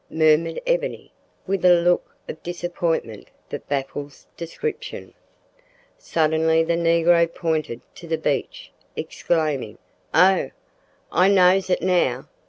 murmured Ebony, with a look of disappointment that baffles description. Suddenly the negro pointed to the beach, exclaiming, "Oh! I knows it now!